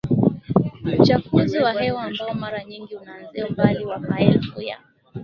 uchafuzi wa hewa ambao mara nyingi unaanzia umbali wa maelfu ya